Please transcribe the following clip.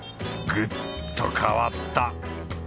グッと変わった！